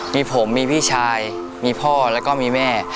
มีผมมีพี่ชายมีพ่อแล้วก็มีแม่